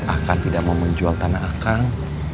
akan tidak mau menjual tanah akang